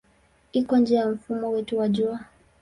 Iko nje ya mfumo wetu wa Jua.